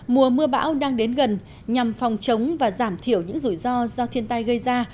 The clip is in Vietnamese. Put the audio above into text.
mùa mưa bão đang đến gần nhằm phòng chống và giảm thiểu những rủi ro do thiên tai gây ra